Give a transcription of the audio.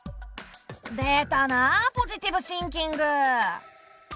出たなポジティブシンキング。